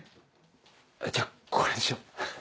じゃあこれにしよ。